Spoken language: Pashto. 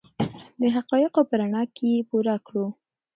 د حقایقو په رڼا کې یې پوره کړو.